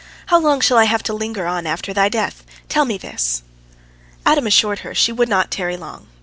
How long shall I have to linger on after thy death? Tell me this!" Adam assured her she would not tarry long.